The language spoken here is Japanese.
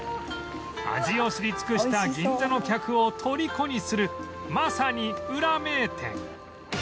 味を知り尽くした銀座の客をとりこにするまさにウラ名店